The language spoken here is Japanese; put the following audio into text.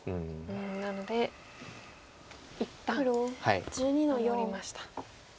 なので一旦守りました。